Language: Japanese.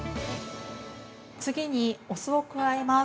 次にお酢を加えます。